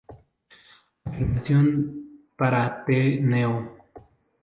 La filmación para The No.